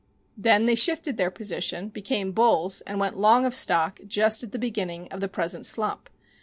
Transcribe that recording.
Then they shifted their position, became bulls and went long of stock just at the beginning of the present slump.